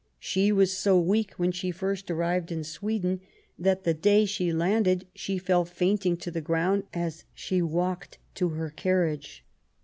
She ' was so weak when she first arrived in Sweden that the day she landed she fell fainting to the ground as she walked to her carriage.